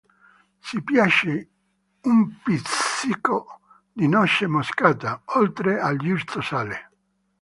Se piace, un pizzico di noce moscata, oltre al giusto sale.